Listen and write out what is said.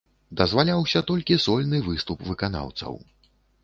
Дазваляўся толькі сольны выступ выканаўцаў.